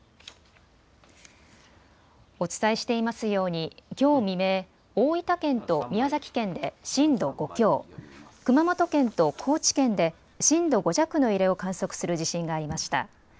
お伝えしていますようにきょう未明、大分県と宮崎県で震度５強、熊本県と高知県で震度５弱の揺れを観測する地震がありました。